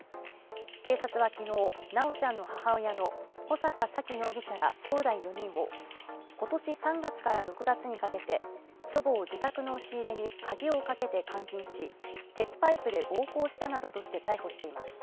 警察は昨日、修ちゃんの母親の穂坂沙喜容疑者らきょうだい４人を今年３月から６月にかけて、祖母を自宅の押し入れに鍵をかけて監禁し、鉄パイプで暴行したなどとして逮捕しています。